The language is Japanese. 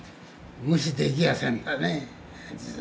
無視できやせんがね。